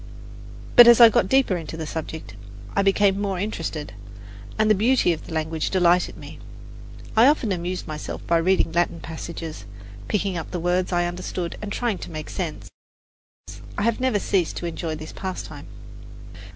But as I got deeper into the subject, I became more interested, and the beauty of the language delighted me. I often amused myself by reading Latin passages, picking up words I understood and trying to make sense. I have never ceased to enjoy this pastime.